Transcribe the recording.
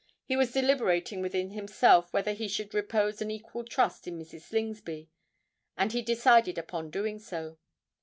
He was deliberating within himself whether he should repose an equal trust in Mrs. Slingsby; and he decided upon doing so.